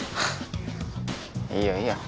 いいよいいよ。